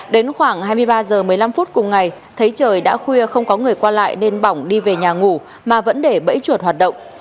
đến khoảng hai mươi ba h một mươi năm phút cùng ngày thấy trời đã khuya không có người qua lại nên bỏng đi về nhà ngủ mà vẫn để bẫy chuột hoạt động